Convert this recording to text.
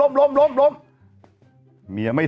ครับล้มครับ